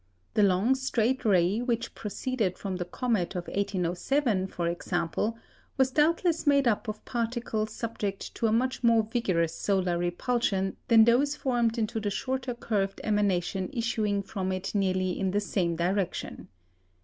The long, straight ray which proceeded from the comet of 1807, for example, was doubtless made up of particles subject to a much more vigorous solar repulsion than those formed into the shorter curved emanation issuing from it nearly in the same direction.